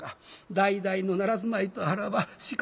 代々の奈良住まいとあらば鹿